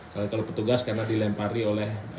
karena kalau petugas karena dilempari oleh